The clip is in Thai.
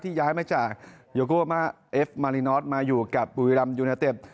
ย้ายมาจากโยโกมาเอฟมารินอทมาอยู่กับบุรีรำยูเนเต็ป